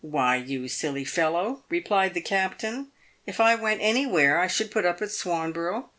"Why, you silly fellow," replied the captain, "if I went anywhere I should put up at Swanborough.